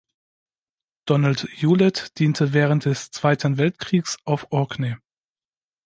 Donald Hewlett diente während des Zweiten Weltkriegs auf Orkney.